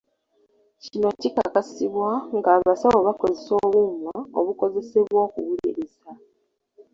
Kino kikakasibwa ng'abasawo bakozesa obuuma obukozesebwa okuwuliriza